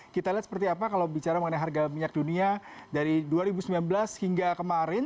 kita lihat seperti apa kalau bicara mengenai harga minyak dunia dari dua ribu sembilan belas hingga kemarin